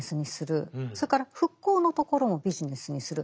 それから復興のところもビジネスにする。